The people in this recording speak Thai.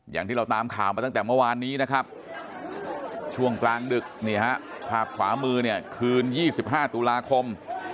อย่างที่เราตามข่าวมาตั้งแต่เมื่อวานนี้นะครับช่วงกลางดึกนี่ฮะภาพขวามือเนี่ยคืน๒๕ตุลาคม